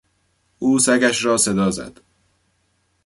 او سگش را صدا زد.